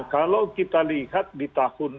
nah kalau kita lihat di tahun dua ribu dua puluh satu